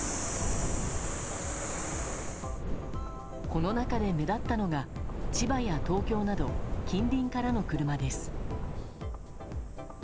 この中で目立ったのが千葉や東京など近隣からの車です。